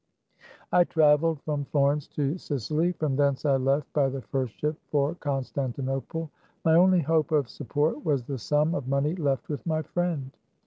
I traveled from Florence to Sicily. From thence I left by the first ship for Constantinople. My only hope of support was the sum of money left with my friend.